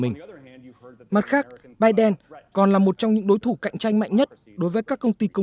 mình mặt khác biden còn là một trong những đối thủ cạnh tranh mạnh nhất đối với các công ty công